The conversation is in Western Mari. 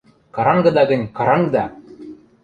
– Карангыда гӹнь, карангда!